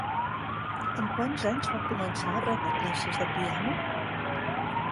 Amb quants anys va començar a rebre classes de piano?